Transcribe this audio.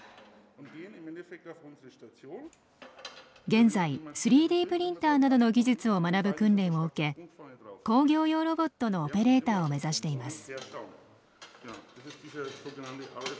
現在３Ｄプリンターなどの技術を学ぶ訓練を受け工業用ロボットのオペレーターを目指しています。